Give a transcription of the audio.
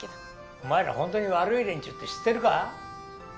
お前ら本当に悪い連中って知ってるか？